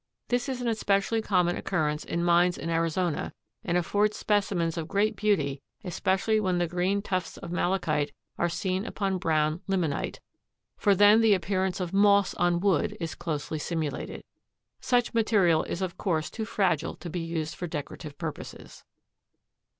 This is an especially common occurrence in mines in Arizona and affords specimens of great beauty especially when the green tufts of malachite are seen upon brown limonite, for then the appearance of moss on wood is closely simulated. Such material is of course too fragile to be used for decorative purposes.